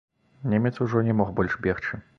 Немец ужо не мог больш бегчы.